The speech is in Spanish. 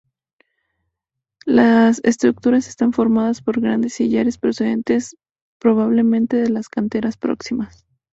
Las estructuras están formadas por grandes sillares procedentes probablemente de las canteras próximas.